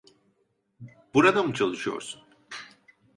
Burada mı çalışıyorsun?